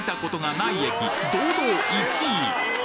堂々１位！